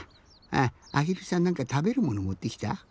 あっあひるさんなんかたべるものもってきた？